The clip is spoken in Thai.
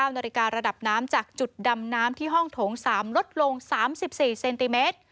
นาฬิการะดับน้ำจากจุดดำน้ำที่ห้องโถง๓ลดลง๓๔เซนติเมตร